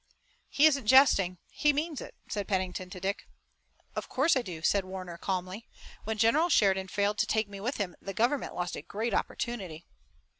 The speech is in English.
"He isn't jesting. He means it," said Pennington to Dick. "Of course I do," said Warner calmly. "When General Sheridan failed to take me with him, the government lost a great opportunity."